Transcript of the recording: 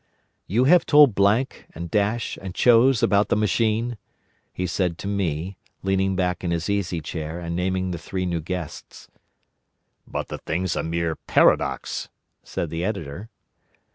"You have told Blank, and Dash, and Chose about the machine?" he said to me, leaning back in his easy chair and naming the three new guests. "But the thing's a mere paradox," said the Editor.